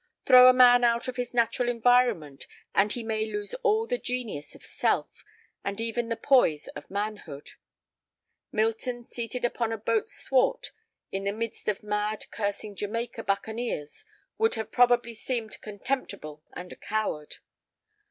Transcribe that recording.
Throw a man out of his natural environment and he may lose all the genius of self, and even the poise of manhood. Milton seated upon a boat's thwart in the midst of mad, cursing Jamaica buccaneers would have probably seemed contemptible and a coward.